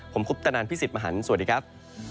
ผมคุปตนันพี่สิทธิมหันฯสวัสดีครับ